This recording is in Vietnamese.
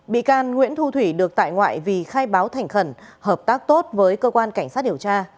bị can nguyễn thu thủy được tại ngoại vì khai báo thành khẩn hợp tác tốt với cơ quan cảnh sát điều tra